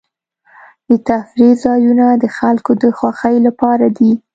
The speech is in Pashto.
د تفریح ځایونه د خلکو د خوښۍ لپاره دي.